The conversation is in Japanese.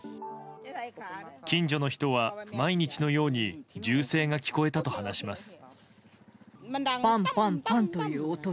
近所の人は、毎日のように銃声が聞こえたと話します。